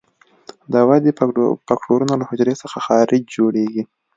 د ودې فکټورونه له حجرې څخه خارج جوړیږي.